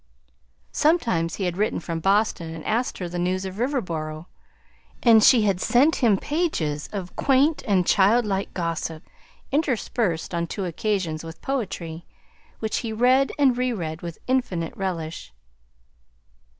Sometimes he had written from Boston and asked her the news of Riverboro, and she had sent him pages of quaint and childlike gossip, interspersed, on two occasions, with poetry, which he read and reread with infinite relish.